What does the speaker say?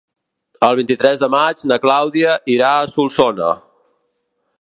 El vint-i-tres de maig na Clàudia irà a Solsona.